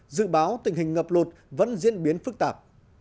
dự báo tình hình ngập lụt vẫn diễn biến phức tạp